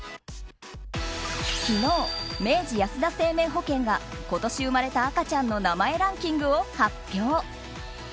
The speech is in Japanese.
昨日、明治安田生命保険が今年生まれた赤ちゃんの名前ランキングを発表。